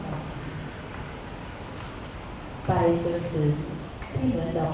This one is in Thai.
สวัสดีครับสวัสดีครับ